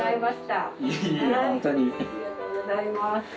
ありがとうございます。